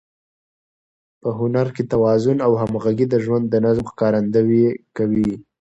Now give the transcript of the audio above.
په هنر کې توازن او همغږي د ژوند د نظم ښکارندويي کوي.